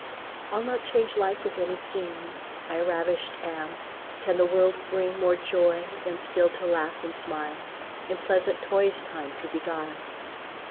I'll not change life with any king, I ravisht am: can the world bring More joy, than still to laugh and smile, In pleasant toys time to beguile?